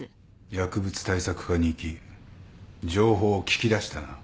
薬物対策課に行き情報を聞き出したな。